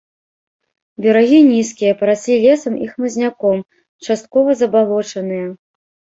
Берагі нізкія, параслі лесам і хмызняком, часткова забалочаныя.